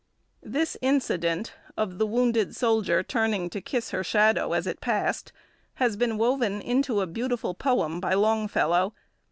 This incident, of the wounded soldier turning to kiss her shadow as it passed, has been woven into a beautiful poem by Longfellow.